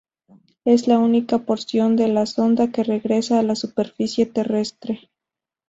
Es la única porción de la sonda que regresa a la superficie terrestre.